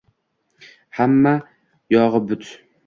Hammma yog’i but.